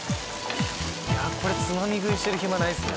これつまみ食いしてる暇ないですね。